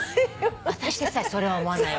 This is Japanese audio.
あたしでさえそれは思わないわ。